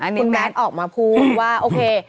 อันนี้แมทออกมาพูดว่าโอเค